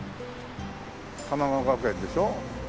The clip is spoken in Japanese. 玉川学園でしょ。